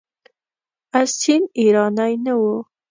اصیل ایرانی نه وو.